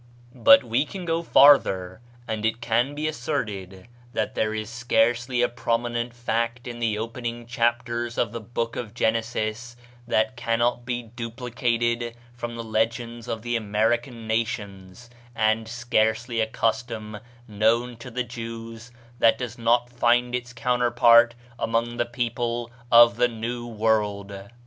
But we can go farther, and it can be asserted that there is scarcely a prominent fact in the opening chapters of the Book of Genesis that cannot be duplicated from the legends of the American nations, and scarcely a custom known to the Jews that does not find its counterpart among the people of the New World.